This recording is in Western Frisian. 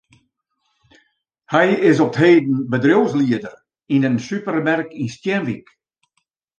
Hy is op 't heden bedriuwslieder yn in supermerk yn Stienwyk.